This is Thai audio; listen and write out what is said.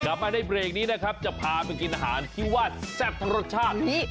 กลับมาในเบรกนี้นะครับจะพาไปกินอาหารที่ว่าแซ่บทั้งรสชาติ